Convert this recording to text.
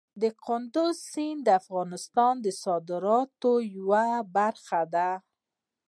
کندز سیند د افغانستان د صادراتو یوه برخه ده.